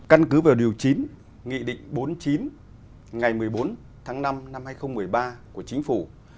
căn cứ vào điều chín nghị định bốn mươi chín ngày một mươi bốn tháng năm năm hai nghìn một mươi ba của chính phủ